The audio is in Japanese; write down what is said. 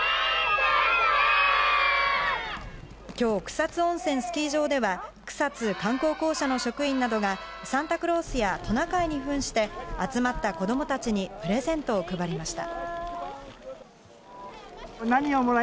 今日、草津温泉スキー場では草津観光公社の職員などがサンタクロースやトナカイに扮して、集まった子供たちにプレゼントを配りました。